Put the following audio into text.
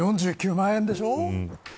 ４９万円でしょ。